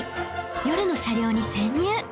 夜の車両に潜入